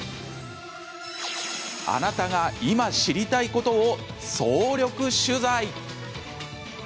あなたが今、知りたいことを総力取材！